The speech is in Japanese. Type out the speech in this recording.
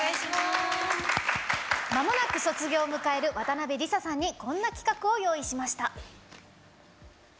まもなく卒業を迎える渡邉理佐さんにこんな企画を用意しました。